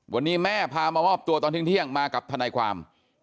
วันนี้แม่พามามอบตัวตอนเที่ยงมากับทนายความ